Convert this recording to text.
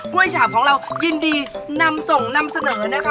้วยฉาบของเรายินดีนำส่งนำเสนอนะคะ